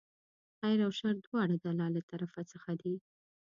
خیر او شر دواړه د الله له طرفه څخه دي.